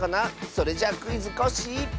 それじゃ「クイズ！コッシー」。